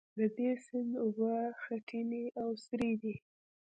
د دې سیند اوبه خټینې او سرې دي.